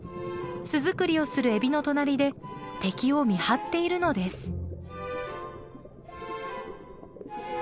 巣作りをするエビの隣で敵を見張っているのです。